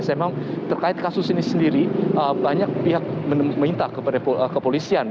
memang terkait kasus ini sendiri banyak pihak meminta kepada kepolisian